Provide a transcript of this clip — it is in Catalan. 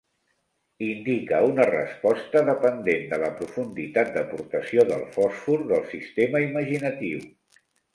Indica una resposta dependent de la profunditat d'aportació del fòsfor del sistema imaginatiu.